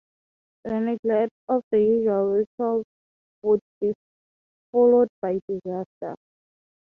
The neglect of the usual ritual would be followed by disaster.